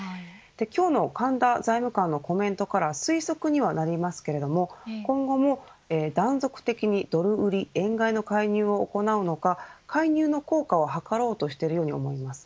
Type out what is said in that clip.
今日の神田財務官のコメントから推測にはなりますが今後も断続的にドル売り円買いの介入を行うのか介入の効果を図ろうとしているように思います。